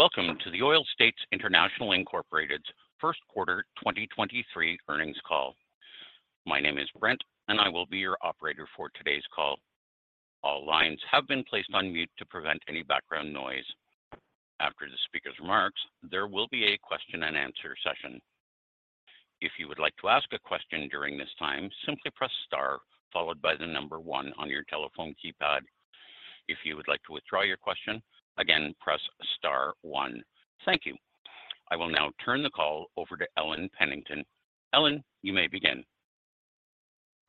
Welcome to the Oil States International, Inc.'s first quarter 2023 earnings call. My name is Brent, and I will be your operator for today's call. All lines have been placed on mute to prevent any background noise. After the speaker's remarks, there will be a question-and-answer session. If you would like to ask a question during this time, simply press star followed by the number 1 on your telephone keypad. If you would like to withdraw your question, again, press star 1. Thank you. I will now turn the call over to Ellen Pennington. Ellen, you may begin.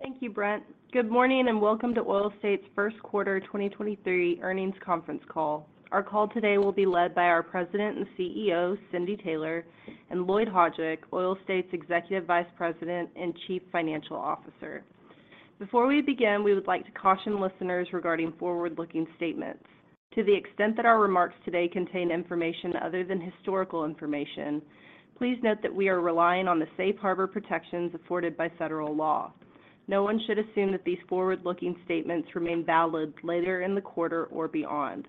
Thank you, Brent. Good morning and welcome to Oil States first quarter 2023 earnings conference call. Our call today will be led by our President and CEO, Cindy Taylor, and Lloyd Hajdik, Oil States Executive Vice President and Chief Financial Officer. Before we begin, we would like to caution listeners regarding forward-looking statements. To the extent that our remarks today contain information other than historical information, please note that we are relying on the safe harbor protections afforded by federal law. No one should assume that these forward-looking statements remain valid later in the quarter or beyond.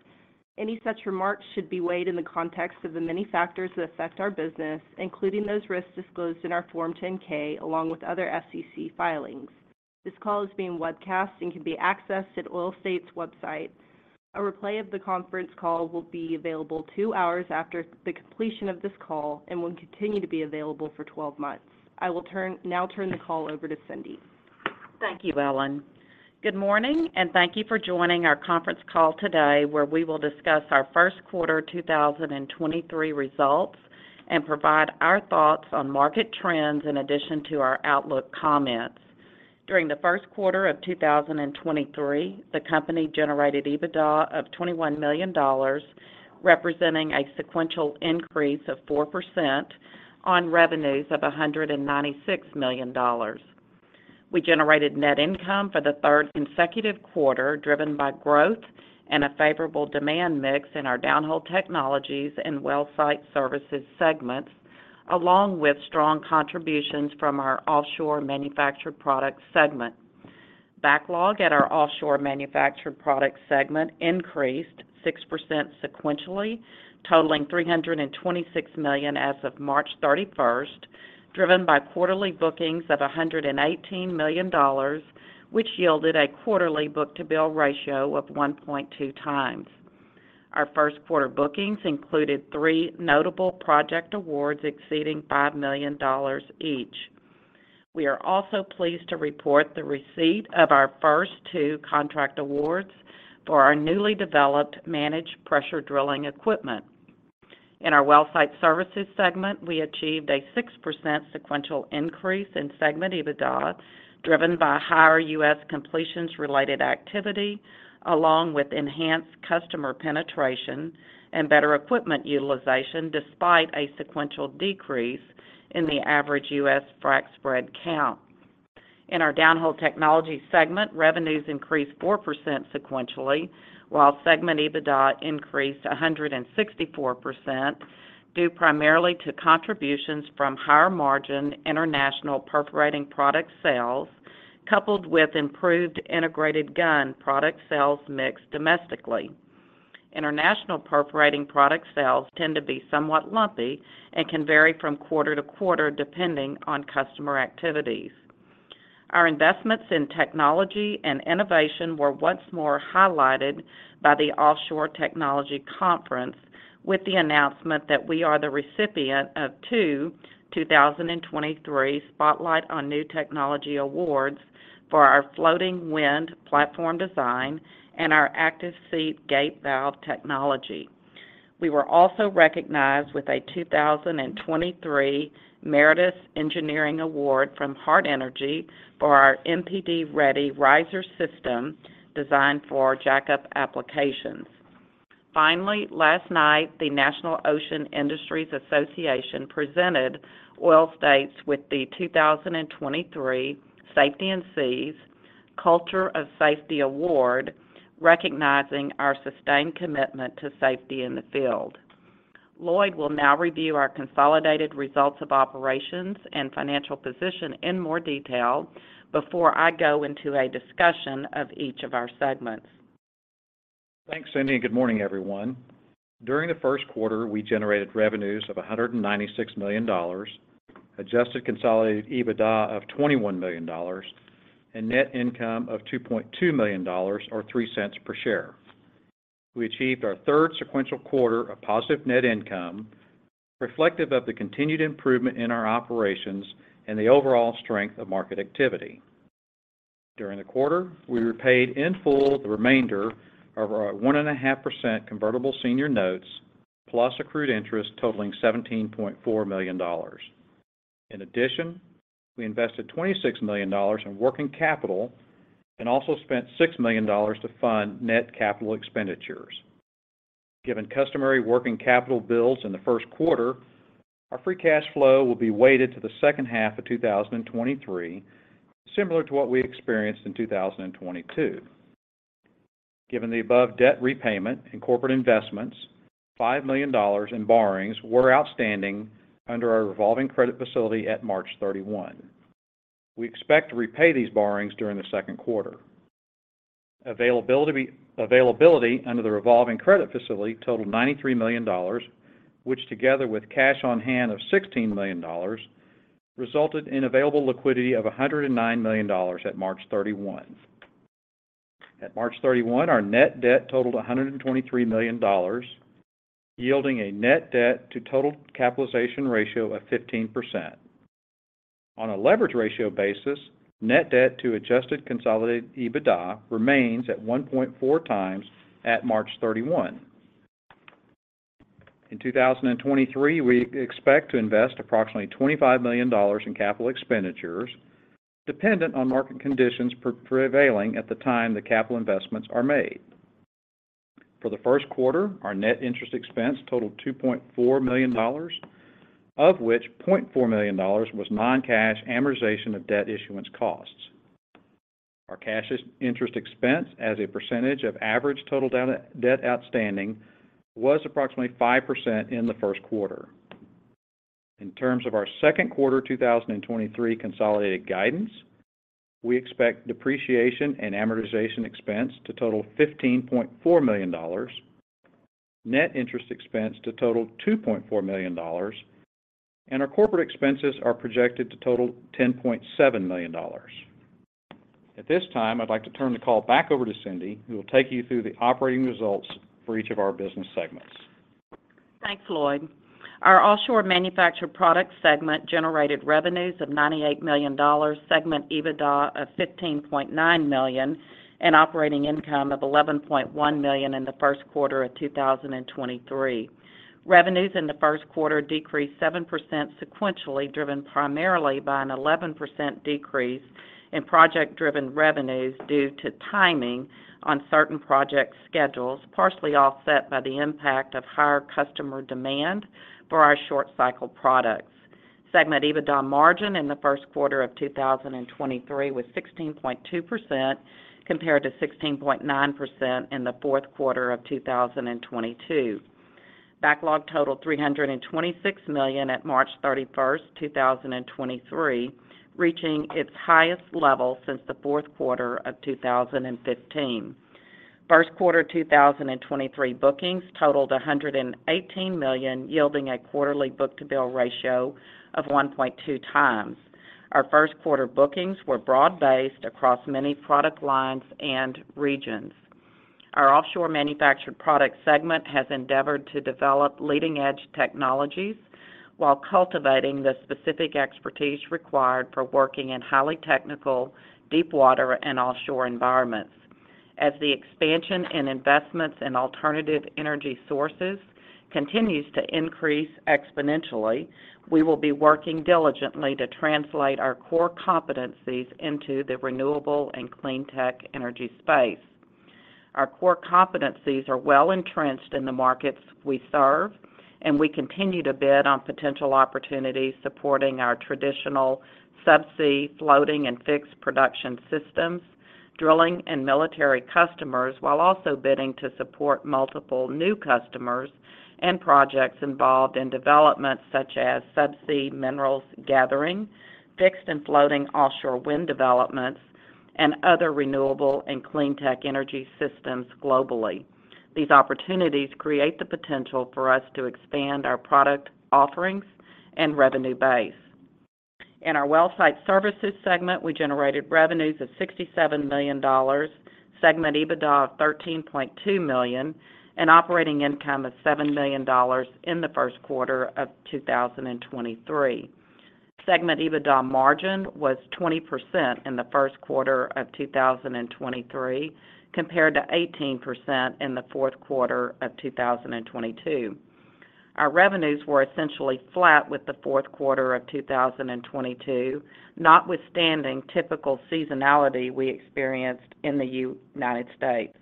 Any such remarks should be weighed in the context of the many factors that affect our business, including those risks disclosed in our Form 10-K, along with other SEC filings. This call is being webcast and can be accessed at Oil States' website. A replay of the conference call will be available two hours after the completion of this call and will continue to be available for 12 months. I will now turn the call over to Cindy. Thank you, Ellen. Good morning, thank you for joining our conference call today, where we will discuss our first quarter 2023 results and provide our thoughts on market trends in addition to our outlook comments. During the first quarter of 2023, the company generated EBITDA of $21 million, representing a sequential increase of 4% on revenues of $196 million. We generated net income for the third consecutive quarter, driven by growth and a favorable demand mix in our Downhole Technologies and Well Site Services segments, along with strong contributions from our Offshore Manufactured Products segment. Backlog at our Offshore/Manufactured Products segment increased 6% sequentially, totaling $326 million as of March 31st, driven by quarterly bookings of $118 million, which yielded a quarterly book-to-bill ratio of 1.2 times. Our first quarter bookings included three notable project awards exceeding $5 million each. We are also pleased to report the receipt of our first two contract awards for our newly developed Managed Pressure Drilling Equipment. In our Well Site Services segment, we achieved a 6% sequential increase in segment EBITDA, driven by higher U.S. completions-related activity, along with enhanced customer penetration and better equipment utilization, despite a sequential decrease in the average U.S. frac spread count. In our Downhole Technologies segment, revenues increased 4% sequentially, while segment EBITDA increased 164%, due primarily to contributions from higher-margin international perforating product sales coupled with improved integrated gun product sales mix domestically. International perforating product sales tend to be somewhat lumpy and can vary from quarter to quarter, depending on customer activities. Our investments in technology and innovation were once more highlighted by the Offshore Technology Conference with the announcement that we are the recipient of 2 2023 Spotlight on New Technology awards for our floating wind platform design and our Active Seat Gate Valve technology. We were also recognized with a 2023 Meritorious Engineering Award from Hart Energy for our MPD-Ready Riser System designed for jack-up applications. Last night, the National Ocean Industries Association presented Oil States with the 2023 Safety at Sea Culture of Safety Award, recognizing our sustained commitment to safety in the field. Lloyd will now review our consolidated results of operations and financial position in more detail before I go into a discussion of each of our segments. Thanks, Cindy, good morning, everyone. During the first quarter, we generated revenues of $196 million, adjusted consolidated EBITDA of $21 million, and net income of $2.2 million or $0.03 per share. We achieved our third sequential quarter of positive net income, reflective of the continued improvement in our operations and the overall strength of market activity. During the quarter, we repaid in full the remainder of our 1.5% convertible senior notes plus accrued interest totaling $17.4 million. In addition, we invested $26 million in working capital and also spent $6 million to fund net capital expenditures. Given customary working capital bills in the first quarter, our free cash flow will be weighted to the second half of 2023, similar to what we experienced in 2022. Given the above debt repayment and corporate investments, $5 million in borrowings were outstanding under our revolving credit facility at March 31. We expect to repay these borrowings during the second quarter. Availability under the revolving credit facility totaled $93 million, which together with cash on hand of $16 million resulted in available liquidity of $109 million at March 31. At March 31, our net debt totaled $123 million, yielding a net debt to total capitalization ratio of 15%. On a leverage ratio basis, net debt to adjusted consolidated EBITDA remains at 1.4 times at March 31. In 2023, we expect to invest approximately $25 million in capital expenditures dependent on market conditions prevailing at the time the capital investments are made. For the first quarter, our net interest expense totaled $2.4 million, of which $0.4 million was non-cash amortization of debt issuance costs. Our cash interest expense as a percentage of average total debt outstanding was approximately 5% in the first quarter. In terms of our second quarter 2023 consolidated guidance, we expect depreciation and amortization expense to total $15.4 million, net interest expense to total $2.4 million, and our corporate expenses are projected to total $10.7 million. At this time, I'd like to turn the call back over to Cindy, who will take you through the operating results for each of our business segments. Thanks, Lloyd. Our Offshore Manufactured Products segment generated revenues of $98 million, segment EBITDA of $15.9 million, and operating income of $11.1 million in the first quarter of 2023. Revenues in the first quarter decreased 7% sequentially, driven primarily by an 11% decrease in project-driven revenues due to timing on certain project schedules, partially offset by the impact of higher customer demand for our short-cycle products. Segment EBITDA margin in the first quarter of 2023 was 16.2% compared to 16.9% in the fourth quarter of 2022. Backlog totaled $326 million at March 31st, 2023, reaching its highest level since the fourth quarter of 2015. First quarter 2023 bookings totaled $118 million, yielding a quarterly book-to-bill ratio of 1.2 times. Our first quarter bookings were broad-based across many product lines and regions. Our Offshore/Manufactured Products segment has endeavored to develop leading-edge technologies while cultivating the specific expertise required for working in highly technical deepwater and offshore environments. The expansion in investments in alternative energy sources continues to increase exponentially, we will be working diligently to translate our core competencies into the renewable and clean tech energy space. Our core competencies are well entrenched in the markets we serve, and we continue to bid on potential opportunities supporting our traditional subsea floating and fixed production systems, drilling and military customers, while also bidding to support multiple new customers and projects involved in development such as subsea minerals gathering, fixed and floating offshore wind developments, and other renewable and clean tech energy systems globally. These opportunities create the potential for us to expand our product offerings and revenue base. In our Wellsite Services segment, we generated revenues of $67 million, segment EBITDA of $13.2 million, and operating income of $7 million in the first quarter of 2023. Segment EBITDA margin was 20% in the first quarter of 2023 compared to 18% in the fourth quarter of 2022. Our revenues were essentially flat with the fourth quarter of 2022, notwithstanding typical seasonality we experienced in the United States.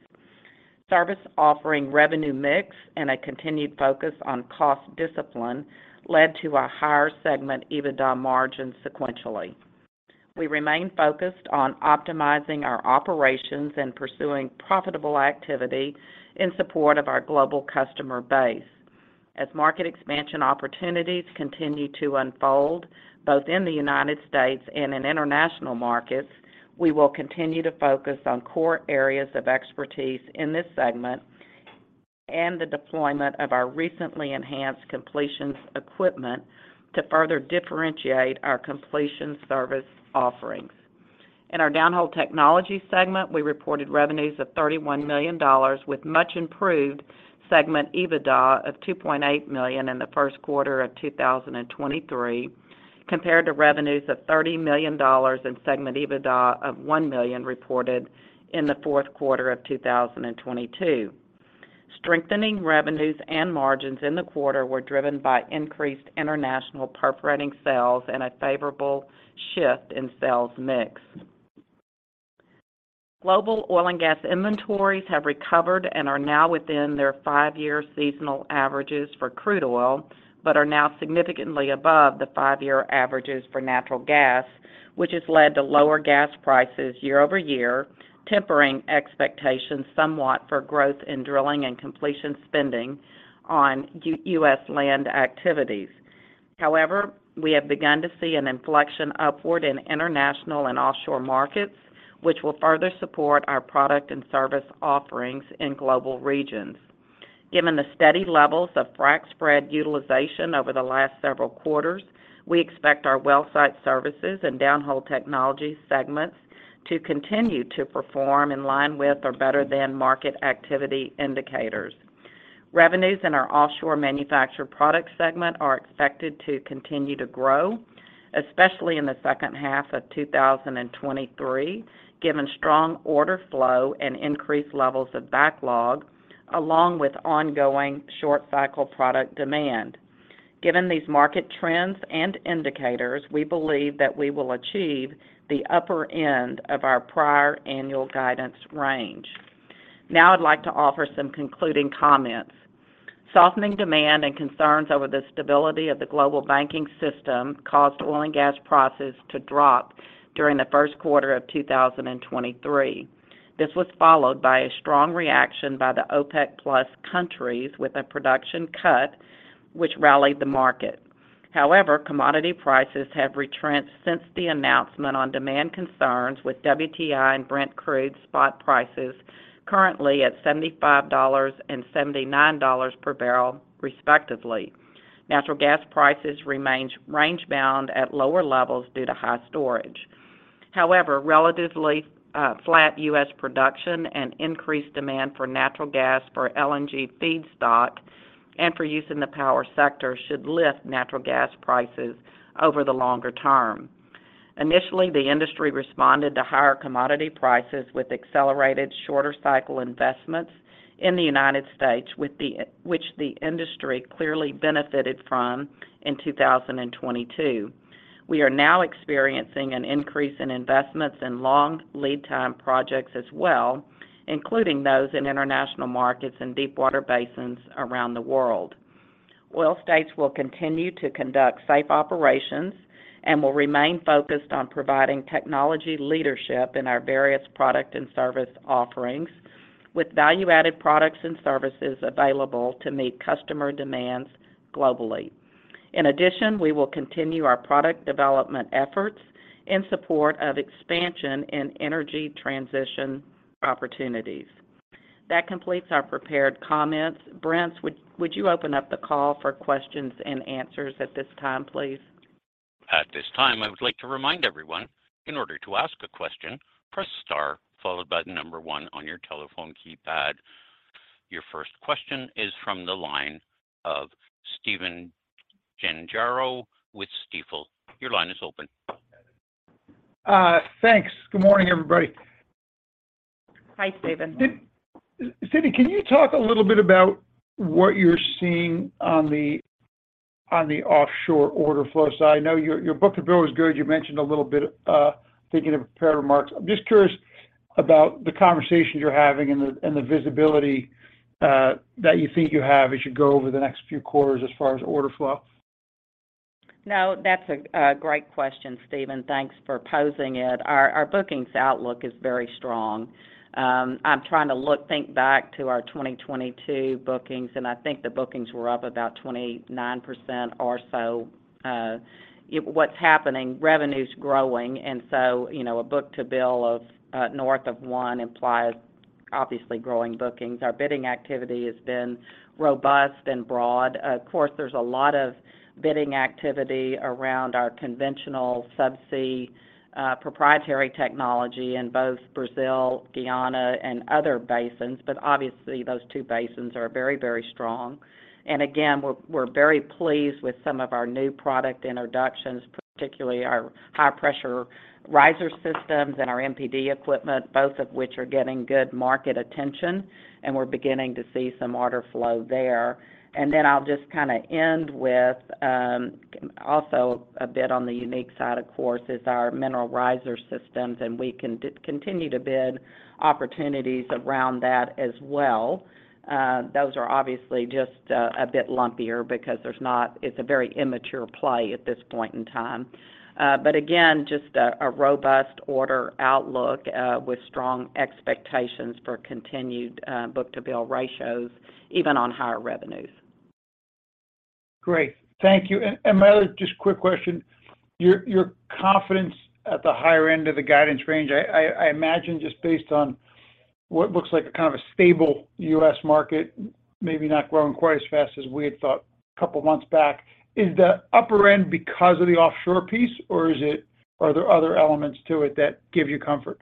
Service offering revenue mix and a continued focus on cost discipline led to a higher segment EBITDA margin sequentially. We remain focused on optimizing our operations and pursuing profitable activity in support of our global customer base. As market expansion opportunities continue to unfold both in the United States and in international markets, we will continue to focus on core areas of expertise in this segment and the deployment of our recently enhanced completions equipment to further differentiate our completion service offerings. In our Downhole Technologies segment, we reported revenues of $31 million with much improved segment EBITDA of $2.8 million in the first quarter of 2023 compared to revenues of $30 million and segment EBITDA of $1 million reported in the fourth quarter of 2022. Strengthening revenues and margins in the quarter were driven by increased international perforating sales and a favorable shift in sales mix. Global oil and gas inventories have recovered and are now within their five-year seasonal averages for crude oil, but are now significantly above the five-year averages for natural gas, which has led to lower gas prices year-over-year, tempering expectations somewhat for growth in drilling and completion spending on U.S. land activities. We have begun to see an inflection upward in international and offshore markets, which will further support our product and service offerings in global regions. Given the steady levels of frac spread utilization over the last several quarters, we expect our Well Site Services and Downhole Technologies segments to continue to perform in line with or better than market activity indicators. Revenues in our Offshore/Manufactured Products segment are expected to continue to grow, especially in the second half of 2023, given strong order flow and increased levels of backlog, along with ongoing short cycle product demand. Given these market trends and indicators, we believe that we will achieve the upper end of our prior annual guidance range. I'd like to offer some concluding comments. Softening demand and concerns over the stability of the global banking system caused oil and gas prices to drop during the first quarter of 2023. This was followed by a strong reaction by the OPEC+ countries with a production cut, which rallied the market. Commodity prices have retrenched since the announcement on demand concerns with WTI and Brent crude spot prices currently at $75 and $79 per barrel, respectively. Natural gas prices remains range-bound at lower levels due to high storage. Relatively flat US production and increased demand for natural gas for LNG feedstock and for use in the power sector should lift natural gas prices over the longer term. Initially, the industry responded to higher commodity prices with accelerated shorter cycle investments in the United States which the industry clearly benefited from in 2022. We are now experiencing an increase in investments in long lead time projects as well, including those in international markets and deepwater basins around the world. Oil States will continue to conduct safe operations and will remain focused on providing technology leadership in our various product and service offerings with value-added products and services available to meet customer demands globally. In addition, we will continue our product development efforts in support of expansion in energy transition opportunities. That completes our prepared comments. Brent, would you open up the call for questions and answers at this time, please? At this time, I would like to remind everyone, in order to ask a question, press star followed by 1 on your telephone keypad. Your first question is from the line of Stephen Gengaro with Stifel. Your line is open. Thanks. Good morning, everybody. Hi, Stephen. Cindy, can you talk a little bit about what you're seeing on the offshore order flow side? I know your book-to-bill is good. You mentioned a little bit, thinking of prepared remarks. I'm just curious about the conversations you're having and the visibility that you think you have as you go over the next few quarters as far as order flow. No, that's a great question, Steven. Thanks for posing it. Our bookings outlook is very strong. I'm trying to think back to our 2022 bookings, and I think the bookings were up about 29% or so. What's happening, revenue's growing, and so, you know, a book-to-bill of north of 1 implies obviously growing bookings. Our bidding activity has been robust and broad. Of course, there's a lot of bidding activity around our conventional subsea proprietary technology in both Brazil, Guyana, and other basins. Obviously, those two basins are very, very strong. Again, we're very pleased with some of our new product introductions, particularly our high-pressure riser systems and our MPD equipment, both of which are getting good market attention, and we're beginning to see some order flow there. I'll just kind of end with, also a bit on the unique side, of course, is our mineral riser systems, and we continue to bid opportunities around that as well. Those are obviously just a bit lumpier because there's not. It's a very immature play at this point in time. Again, just a robust order outlook with strong expectations for continued book-to-bill ratios, even on higher revenues. Great. Thank you. My other just quick question, your confidence at the higher end of the guidance range, I imagine just based on what looks like a kind of a stable U.S. market, maybe not growing quite as fast as we had thought a couple of months back. Is the upper end because of the offshore piece, or are there other elements to it that give you comfort?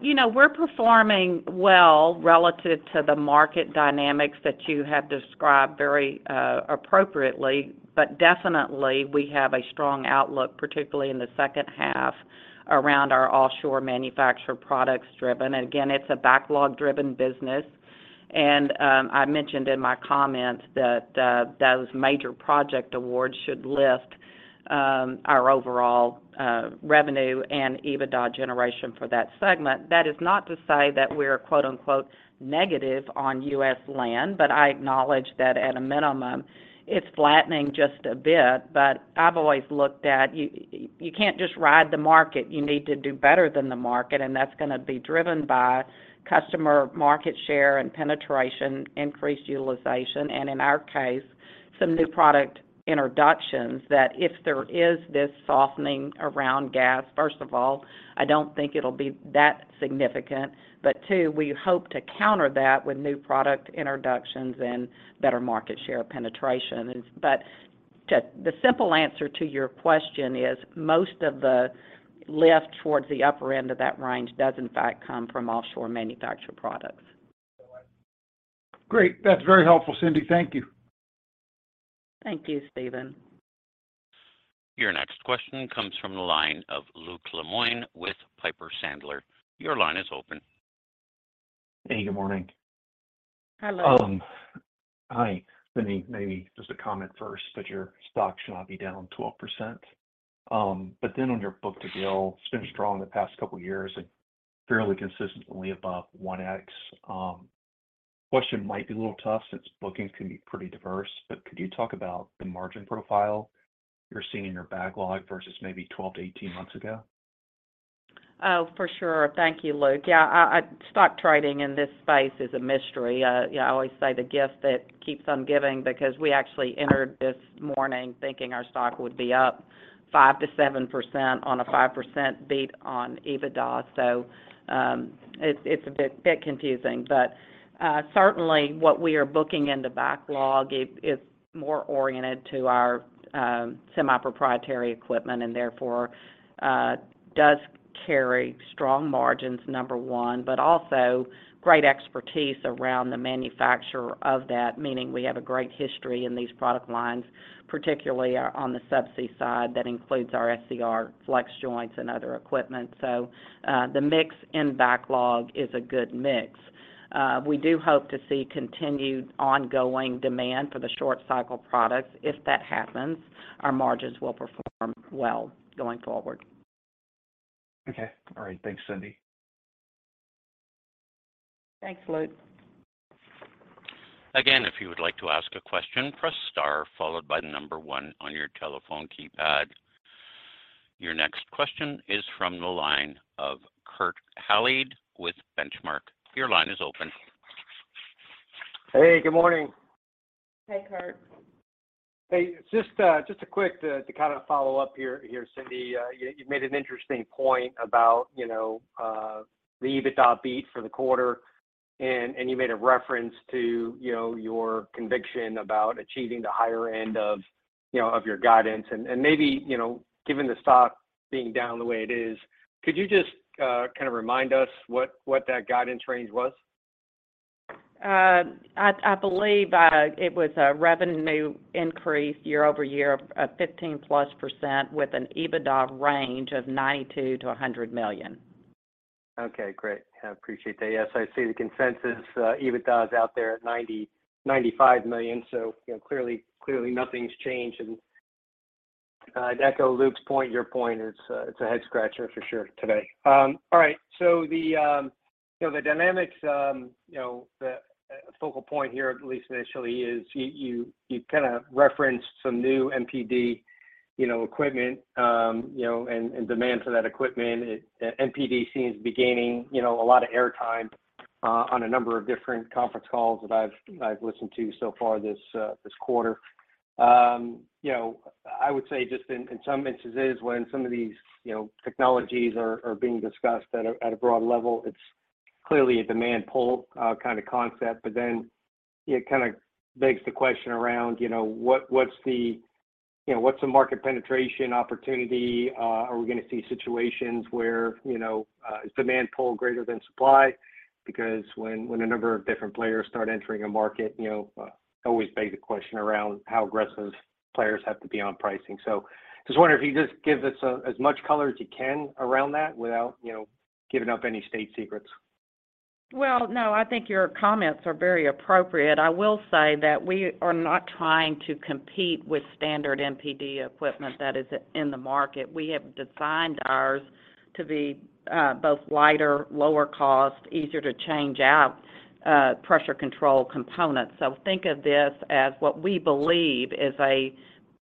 You know, we're performing well relative to the market dynamics that you have described very appropriately. Definitely, we have a strong outlook, particularly in the second half around our Offshore/Manufactured Products driven. Again, it's a backlog-driven business. I mentioned in my comments that those major project awards should lift our overall revenue and EBITDA generation for that segment. That is not to say that we're, quote-unquote, negative on U.S. land, but I acknowledge that at a minimum, it's flattening just a bit. I've always looked at you can't just ride the market, you need to do better than the market, and that's gonna be driven by customer market share and penetration, increased utilization, and in our case, some new product introductions that if there is this softening around gas, first of all, I don't think it'll be that significant. Two, we hope to counter that with new product introductions and better market share penetration. The simple answer to your question is most of the lift towards the upper end of that range does in fact come from Offshore/Manufactured Products. Great. That's very helpful, Cindy. Thank you. Thank you, Steven. Your next question comes from the line of Luke Lemoine with Piper Sandler. Your line is open. Hey, good morning. Hello. Hi. Cindy, maybe just a comment first, your stock should not be down 12%. On your book-to-bill, it's been strong the past couple of years and fairly consistently above 1x. Question might be a little tough since bookings can be pretty diverse, could you talk about the margin profile you're seeing in your backlog versus maybe 12-18 months ago? For sure. Thank you, Luke. I stock trading in this space is a mystery. I always say the gift that keeps on giving because we actually entered this morning thinking our stock would be up 5%-7% on a 5% beat on EBITDA. It's a bit confusing. Certainly what we are booking in the backlog is more oriented to our semi-proprietary equipment and therefore does carry strong margins, number 1, but also great expertise around the manufacturer of that, meaning we have a great history in these product lines, particularly on the subsea side that includes our SCR FlexJoints and other equipment. The mix in backlog is a good mix. We do hope to see continued ongoing demand for the short cycle products. If that happens, our margins will perform well going forward. Okay. All right. Thanks, Cindy. Thanks, Luke. Again, if you would like to ask a question, press star followed by the number one on your telephone keypad. Your next question is from the line of Kurt Hallead with Benchmark. Your line is open. Hey, good morning. Hey, Kurt. Hey, just a quick to kind of follow up here, Cindy. You made an interesting point about, you know, the EBITDA beat for the quarter, and you made a reference to, you know, your conviction about achieving the higher end of, you know, of your guidance. Maybe, you know, given the stock being down the way it is, could you just kind of remind us what that guidance range was? I believe it was a revenue increase year-over-year of 15%+ with an EBITDA range of $92 million-$100 million. Okay, great. I appreciate that. Yes, I see the consensus, EBITDA is out there at $90 million-$95 million. You know, clearly nothing's changed. I'd echo Luke's point, your point. It's a head scratcher for sure today. The, you know, the dynamics, you know, the focal point here, at least initially, is you kinda referenced some new MPD, you know, equipment, you know, and demand for that equipment. MPD seems to be gaining, you know, a lot of air time on a number of different conference calls that I've listened to so far this quarter. You know, I would say just in some instances when some of these, you know, technologies are being discussed at a broad level, it's clearly a demand pull kind of concept, but then it kind of begs the question around, you know, what's the, you know, what's the market penetration opportunity? Are we going to see situations where, you know, is demand pull greater than supply? Because when a number of different players start entering a market, you know, always begs the question around how aggressive players have to be on pricing. Just wondering if you could just give us as much color as you can around that without, you know, giving up any state secrets? Well, no, I think your comments are very appropriate. I will say that we are not trying to compete with standard MPD equipment that is in the market. We have designed ours to be both lighter, lower cost, easier to change out, pressure control components. Think of this as what we believe is a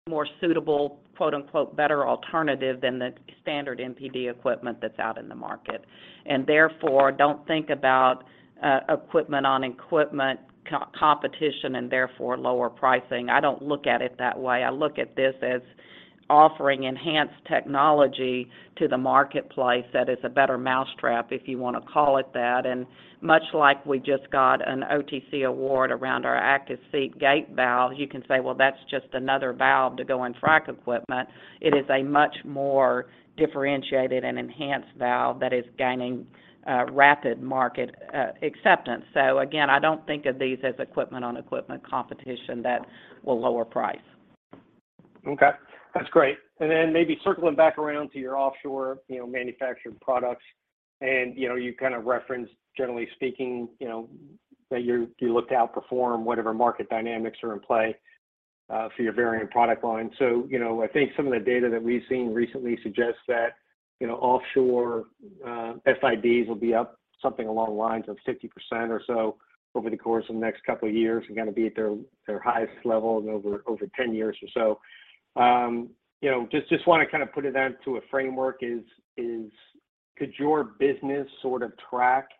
more suitable, quote-unquote, better alternative than the standard MPD equipment that's out in the market. Therefore, don't think about equipment on equipment competition and therefore lower pricing. I don't look at it that way. I look at this as offering enhanced technology to the marketplace that is a better mousetrap, if you wanna call it that. Much like we just got an OTC award around our Active Seat Gate Valve, you can say, well, that's just another valve to go in frac equipment. It is a much more differentiated and enhanced valve that is gaining, rapid market, acceptance. Again, I don't think of these as equipment-on-equipment competition that will lower price. Okay, that's great. Then maybe circling back around to your Offshore/Manufactured Products, and, you know, you kinda referenced, generally speaking, you know, that you look to outperform whatever market dynamics are in play for your varying product lines. You know, I think some of the data that we've seen recently suggests that, you know, offshore, FIDs will be up something along the lines of 50% or so over the course of the next couple of years and gonna be at their highest level in over 10 years or so. You know, just wanna kinda put it into a framework. Could your business sort of track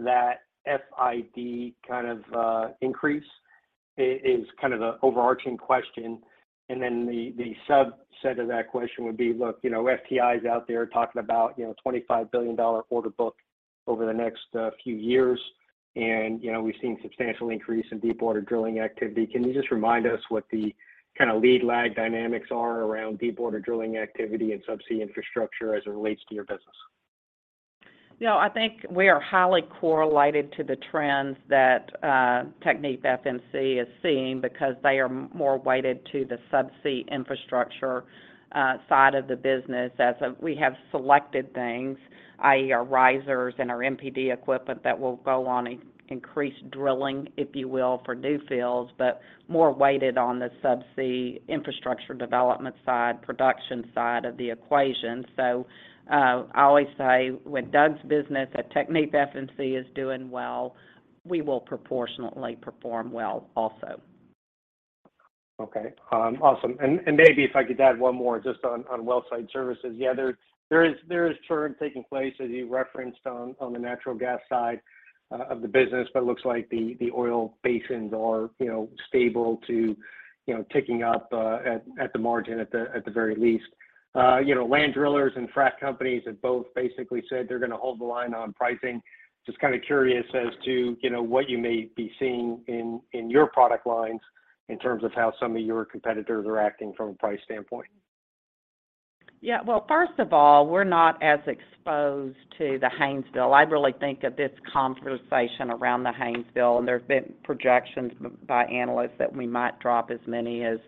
that FID kind of increase? Is kind of the overarching question. Then the subset of that question would be, look, you know, FTI is out there talking about, you know, $25 billion order book over the next few years. You know, we've seen substantial increase in deepwater drilling activity. Can you just remind us what the kinda lead lag dynamics are around deepwater drilling activity and subsea infrastructure as it relates to your business? You know, I think we are highly correlated to the trends that TechnipFMC is seeing because they are more weighted to the subsea infrastructure side of the business. We have selected things, i.e. our risers and our MPD equipment that will go on increased drilling, if you will, for new fields, but more weighted on the subsea infrastructure development side, production side of the equation. I always say when Doug's business at TechnipFMC is doing well, we will proportionately perform well also. Okay. Awesome. maybe if I could add 1 more just on Well Site Services. Yeah. There is churn taking place, as you referenced on the natural gas side of the business, but looks like the oil basins are, you know, stable to, you know, ticking up at the margin at the, at the very least. you know, land drillers and frac companies have both basically said they're gonna hold the line on pricing. Just kinda curious as to, you know, what you may be seeing in your product lines in terms of how some of your competitors are acting from a price standpoint. Well, first of all, we're not as exposed to the Haynesville. I really think that this conversation around the Haynesville, and there have been projections by analysts that we might drop as many as,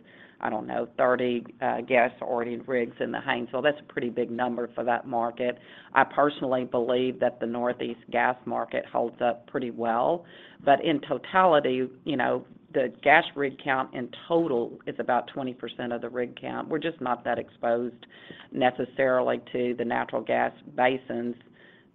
I don't know, 30 gas-oriented rigs in the Haynesville. That's a pretty big number for that market. I personally believe that the Northeast gas market holds up pretty well. In totality, you know, the gas rig count in total is about 20% of the rig count. We're just not that exposed necessarily to the natural gas basins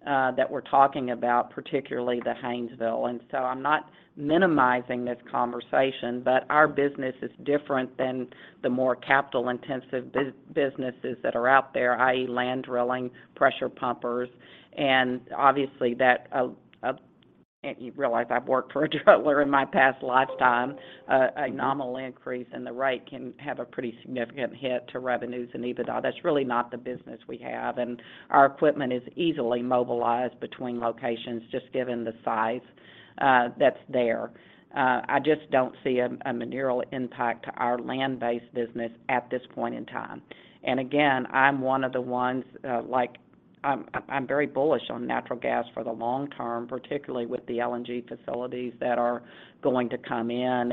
that we're talking about, particularly the Haynesville. I'm not minimizing this conversation, but our business is different than the more capital-intensive businesses that are out there, i.e. land drilling, pressure pumpers. Obviously, that, and you realize I've worked for a driller in my past lifetime. A nominal increase in the rate can have a pretty significant hit to revenues and EBITDA. That's really not the business we have. Our equipment is easily mobilized between locations just given the size that's there. I just don't see a material impact to our land-based business at this point in time. Again, I'm one of the ones, like I'm very bullish on natural gas for the long term, particularly with the LNG facilities that are going to come in.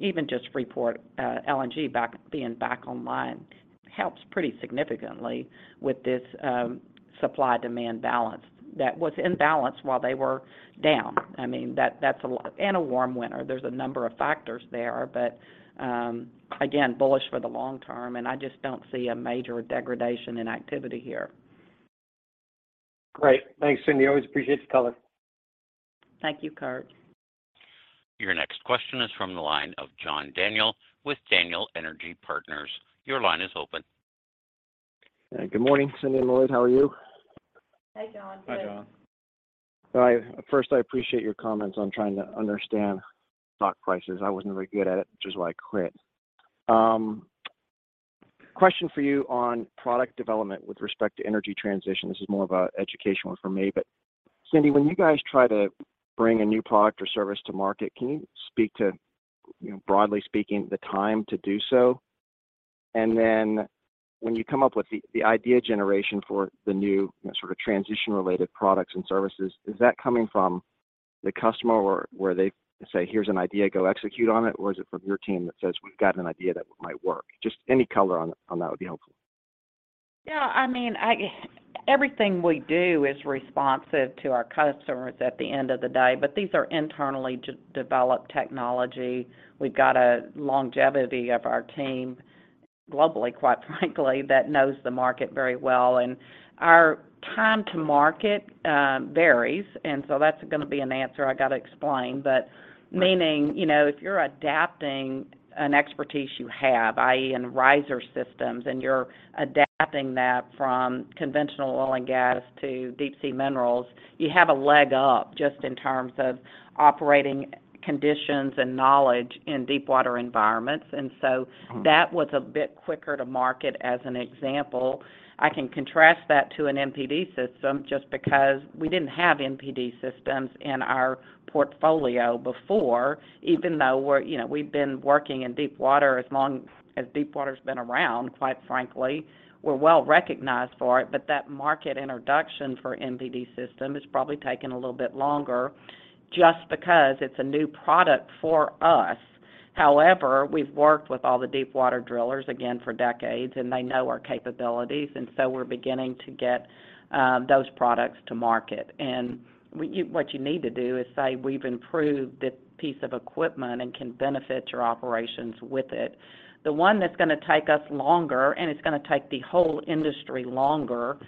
Even just Freeport LNG being back online helps pretty significantly with this supply-demand balance that was imbalanced while they were down. I mean, that's a lot. A warm winter. There's a number of factors there. Again, bullish for the long term, and I just don't see a major degradation in activity here. Great. Thanks, Cindy. Always appreciate your color. Thank you, Kurt. Your next question is from the line of John Daniel with Daniel Energy Partners. Your line is open. Good morning, Cindy and Lloyd. How are you? Hi, John. Good. Hi, John. All right. First, I appreciate your comments on trying to understand stock prices. I wasn't very good at it, which is why I quit. Question for you on product development with respect to energy transition. This is more of a educational one for me. Cindy, when you guys try to bring a new product or service to market, can you speak to, you know, broadly speaking, the time to do so? When you come up with the idea generation for the new sort of transition-related products and services, is that coming from the customer where they say, "Here's an idea, go execute on it," or is it from your team that says, "We've got an idea that might work"? Just any color on that would be helpful. I mean, everything we do is responsive to our customers at the end of the day, but these are internally de-developed technology. We've got a longevity of our team globally, quite frankly, that knows the market very well. Our time to market varies. That's gonna be an answer I gotta explain. Meaning, you know, if you're adapting an expertise you have, i.e. in riser systems, and you're adapting that from conventional oil and gas to deepsea minerals, you have a leg up just in terms of operating conditions and knowledge in deepwater environments. That was a bit quicker to market as an example. I can contrast that to an MPD system just because we didn't have MPD systems in our portfolio before, even though we're, you know, we've been working in deepwater as long as deepwater's been around, quite frankly. We're well recognized for it, that market introduction for MPD system has probably taken a little bit longer just because it's a new product for us. We've worked with all the deepwater drillers, again, for decades, and they know our capabilities, and so we're beginning to get those products to market. What you need to do is say, "We've improved this piece of equipment and can benefit your operations with it." The one that's gonna take us longer, and it's gonna take the whole industry longer,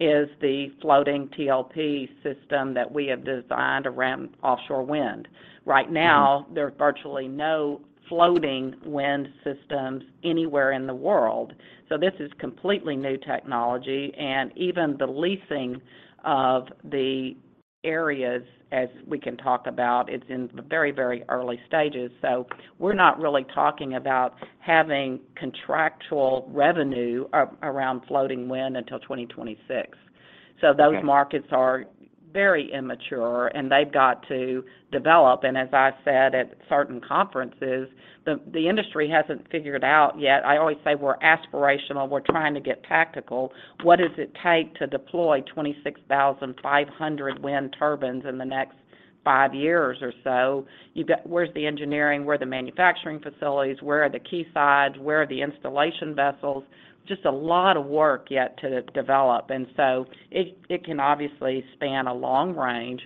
is the floating TLP system that we have designed around offshore wind. Right now, there's virtually no floating wind systems anywhere in the world. This is completely new technology. Even the leasing of the areas, as we can talk about, it's in the very, very early stages. We're not really talking about having contractual revenue around floating wind until 2026. Those markets are very immature, and they've got to develop. As I said at certain conferences, the industry hasn't figured out yet. I always say we're aspirational, we're trying to get tactical. What does it take to deploy 26,500 wind turbines in the next five years or so? Where's the engineering? Where are the manufacturing facilities? Where are the quaysides? Where are the installation vessels? Just a lot of work yet to develop. It, it can obviously span a long range,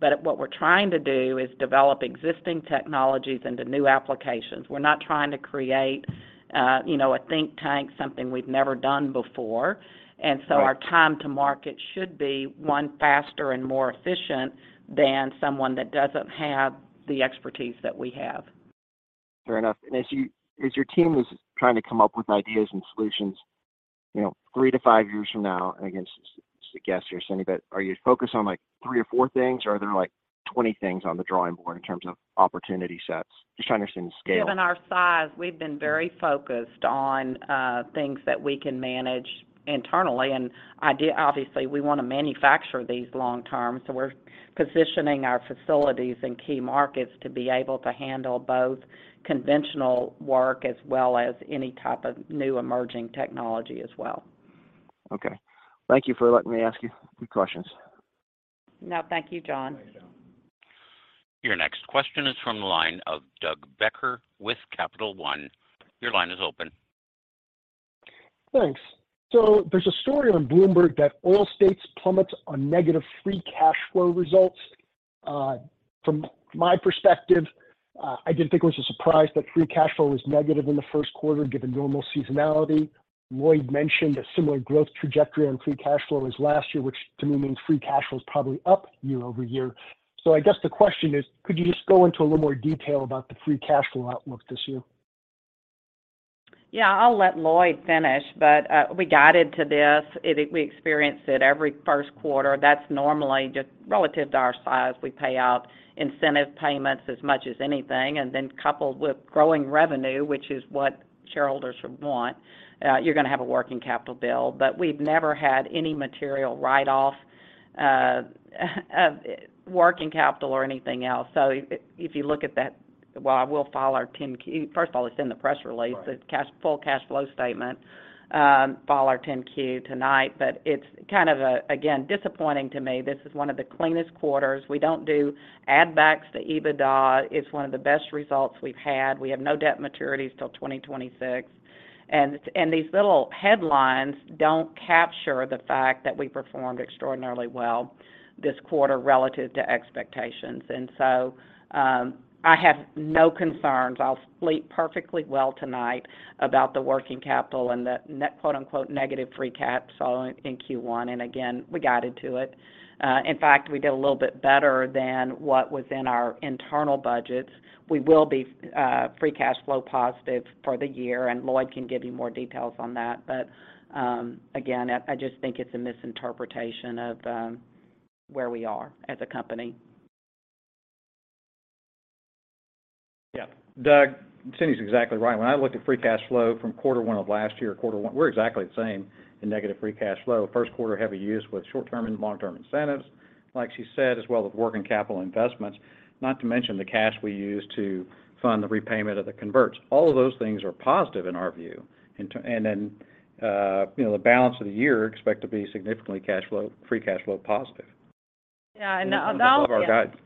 but what we're trying to do is develop existing technologies into new applications. We're not trying to create, you know, a think tank, something we've never done before. Right. Our time to market should be, one, faster and more efficient than someone that doesn't have the expertise that we have. Fair enough. As your team was trying to come up with ideas and solutions, you know, 3 to 5 years from now, and again, this is a guess here, Cindy, but are you focused on, like, 3 or 4 things, or are there, like, 20 things on the drawing board in terms of opportunity sets? Just trying to understand the scale. Given our size, we've been very focused on things that we can manage internally. Obviously, we wanna manufacture these long term, so we're positioning our facilities in key markets to be able to handle both conventional work as well as any type of new emerging technology as well. Okay. Thank you for letting me ask you good questions. No, thank you, John. Your next question is from the line of Doug Becker with Capital One. Your line is open. Thanks. There's a story on Bloomberg that Oil States plummets on negative free cash flow results. From my perspective, I didn't think it was a surprise that free cash flow was negative in the first quarter given normal seasonality. Lloyd mentioned a similar growth trajectory on free cash flow as last year, which to me means free cash flow is probably up year-over-year. I guess the question is, could you just go into a little more detail about the free cash flow outlook this year? Yeah, I'll let Lloyd finish, but we guided to this. We experience it every first quarter. That's normally just relative to our size. We pay out incentive payments as much as anything. Coupled with growing revenue, which is what shareholders would want, you're gonna have a working capital bill. We've never had any material write-off of working capital or anything else. If you look at that. Well, I will file our 10-Q. First of all, it's in the press release. Right. The full cash flow statement, file our 10-Q tonight. It's kind of, again, disappointing to me. This is one of the cleanest quarters. We don't do add backs to EBITDA. It's one of the best results we've had. We have no debt maturities till 2026. These little headlines don't capture the fact that we performed extraordinarily well this quarter relative to expectations. I have no concerns. I'll sleep perfectly well tonight about the working capital and the net, quote-unquote, negative free cash flow in Q1. We guided to it. In fact, we did a little bit better than what was in our internal budgets. We will be free cash flow positive for the year, and Lloyd can give you more details on that. Again, I just think it's a misinterpretation of where we are as a company. Yeah. Doug, Cindy's exactly right. When I look at free cash flow from quarter one of last year to quarter one, we're exactly the same in negative free cash flow. First quarter, heavy use with short-term and long-term incentives, like she said, as well as working capital investments, not to mention the cash we used to fund the repayment of the converts. All of those things are positive in our view. Then, you know, the balance of the year expect to be significantly cash flow, free cash flow positive. Yeah. the only- Above our guides.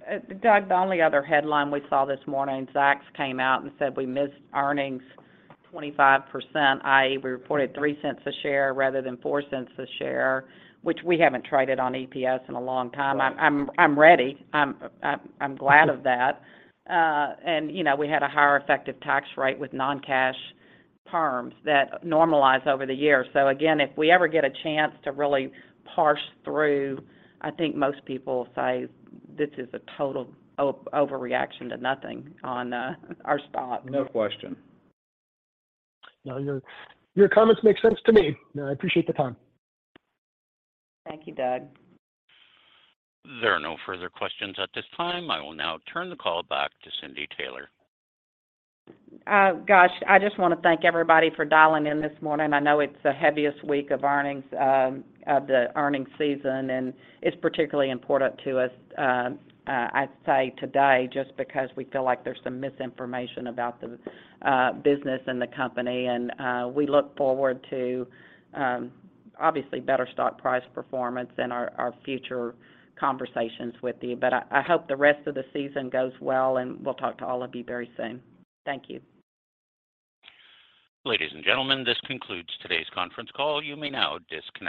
Doug, the only other headline we saw this morning, Zacks came out and said we missed earnings 25%, i.e., we reported $0.03 a share rather than $0.04 a share, which we haven't traded on EPS in a long time. Right. I'm ready. I'm glad of that. You know, we had a higher effective tax rate with non-cash terms that normalize over the year. Again, if we ever get a chance to really parse through, I think most people will say this is a total overreaction to nothing on our spot. No question. No, your comments make sense to me. No, I appreciate the time. Thank you, Doug. There are no further questions at this time. I will now turn the call back to Cindy Taylor. Gosh, I just wanna thank everybody for dialing in this morning. I know it's the heaviest week of earnings of the earnings season, and it's particularly important to us, I'd say today, just because we feel like there's some misinformation about the business and the company. We look forward to obviously better stock price performance in our future conversations with you. I hope the rest of the season goes well, and we'll talk to all of you very soon. Thank you. Ladies and gentlemen, this concludes today's conference call. You may now disconnect.